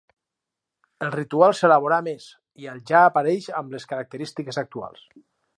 El ritual s'elaborà més i al ja apareix amb les característiques actuals.